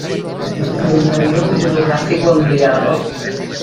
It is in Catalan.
A l'interior, un monogràfic ho ampliava.